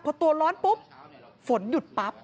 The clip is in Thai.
พอตัวร้อนปุ๊บฝนหยุดปั๊บ